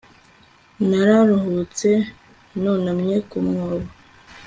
Nararuhutse nunamye ku mwobo